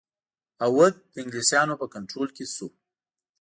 اَوَد د انګلیسیانو په کنټرول کې شو.